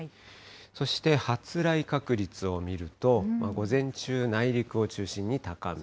そして発雷確率を見ると、午前中、内陸を中心に高め。